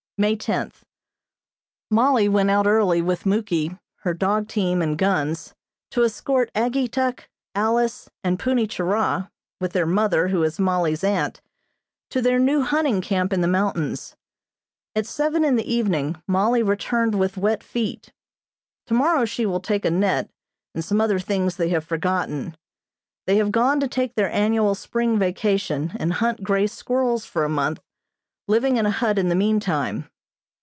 May tenth: Mollie went out early with Muky, her dog team and guns, to escort Ageetuk, Alice and Punni Churah, with their mother, who is Mollie's aunt, to their new hunting camp in the mountains. At seven in the evening Mollie returned with wet feet. Tomorrow she will take a net, and some other things they have forgotten. They have gone to take their annual spring vacation and hunt grey squirrels for a month, living in a hut in the meantime.